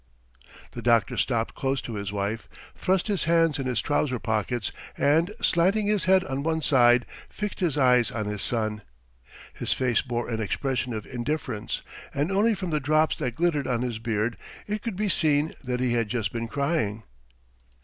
The doctor stopped close to his wife, thrust his hands in his trouser pockets, and slanting his head on one side fixed his eyes on his son. His face bore an expression of indifference, and only from the drops that glittered on his beard it could be seen that he had just been crying.